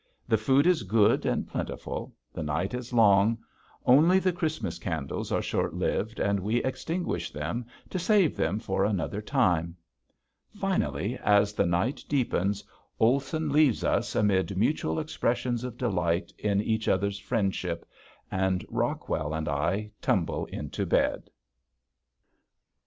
The food is good and plentiful, the night is long, only the Christmas candles are short lived and we extinguish them to save them for another time. Finally as the night deepens Olson leaves us amid mutual expressions of delight in each other's friendship, and Rockwell and I tumble into bed.